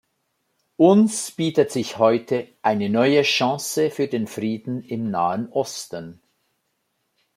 Uns bietet sich heute eine neue Chance für den Frieden im Nahen Osten.